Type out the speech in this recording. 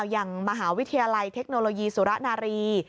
อย่างมหาวิทยาลัยเทคโนโลยีสุรนารี